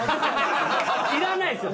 いらないっすよ